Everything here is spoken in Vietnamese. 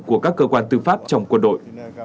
và các cơ quan tư pháp trong quân đội